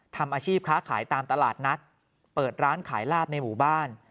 ทำอาชีพค้าขายตามตลาดนัดเปิดร้านขายลาบในหมู่บ้าน